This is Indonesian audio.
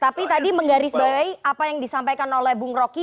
tapi tadi menggarisbawahi apa yang disampaikan oleh bung rocky